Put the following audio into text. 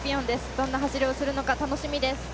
どんな走りをするのか楽しみです。